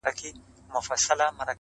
نقادان پرې اوږد بحث کوي ډېر،